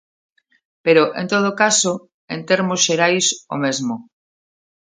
Pero, en todo caso, en termos xerais o mesmo.